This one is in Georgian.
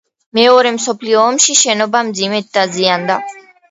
მეორე მსოფლიო ომში შენობა მძიმედ დაზიანდა.